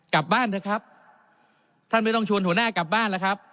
กลับบ้านเถอะครับท่านไม่ต้องชวนหัวหน้ากลับบ้านแล้วครับ